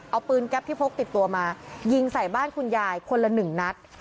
เอาปืนแก๊ปที่พกติดตัวมายิงใส่บ้านคุณยายคนละหนึ่งนัด